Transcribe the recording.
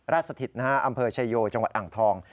สถิตนะฮะอำเภอชายโยจังหวัดอ่างทอง